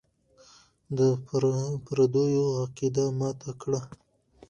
د پردیو عقیده ماته کړه.